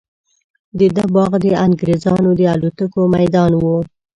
د ده باغ د انګریزانو د الوتکو میدان وو.